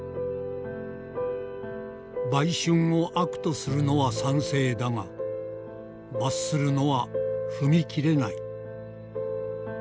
「売春を悪とするのは賛成だが罰するのは踏み切れない」。